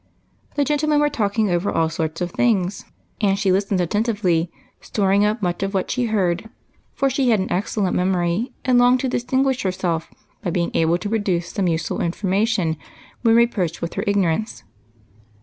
The gentlemen were talking over all sorts of things, and she listened attentively, storing up much of what she heard, for she had an excellent memory, and longed to distinguish herself by being able to produce some useful information when re proached with her ignorance.